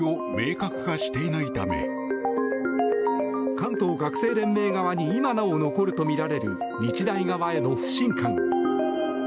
関東学生連盟側に今なお残るとみられる日大側への不信感。